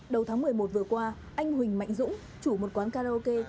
đầu tháng một mươi một vừa qua anh huỳnh mạnh dũng chủ một quán karaoke